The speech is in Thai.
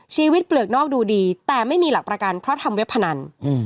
เปลือกนอกดูดีแต่ไม่มีหลักประกันเพราะทำเว็บพนัน